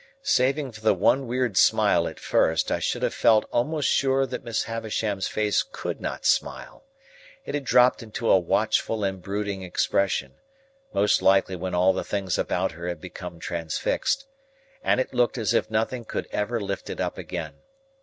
Saving for the one weird smile at first, I should have felt almost sure that Miss Havisham's face could not smile. It had dropped into a watchful and brooding expression,—most likely when all the things about her had become transfixed,—and it looked as if nothing could ever lift it up again.